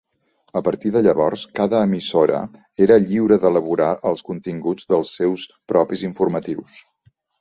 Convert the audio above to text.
A partir de llavors cada emissora era lliure d'elaborar els continguts dels seus propis informatius.